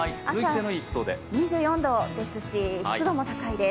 朝２４度ですし、湿度も高いです。